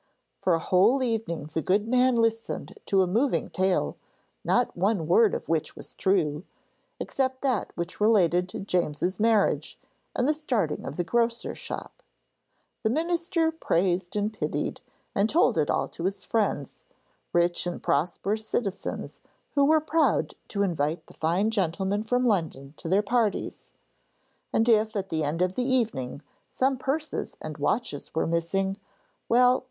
For a whole evening the good man listened to a moving tale, not one word of which was true, except that which related to James's marriage and the starting of the grocer's shop. The minister praised and pitied, and told it all to his friends, rich and prosperous citizens who were proud to invite the fine gentleman from London to their parties. And if at the end of the evening some purses and watches were missing, well!